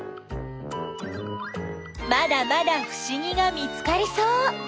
まだまだふしぎが見つかりそう！